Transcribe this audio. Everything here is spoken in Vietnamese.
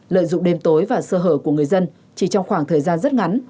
lợi dụng đêm tối và sơ hở của người dân chỉ trong khoảng thời gian rất ngắn